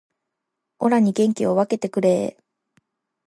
オラに元気を分けてくれー